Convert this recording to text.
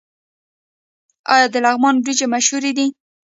آیا د لغمان وریجې مشهورې دي؟